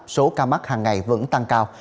số ca mắc hàng ngày vẫn tăng cao